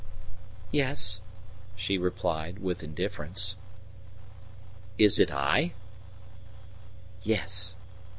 "Yes," she replied, with indifference. "Is it I?" "Yes."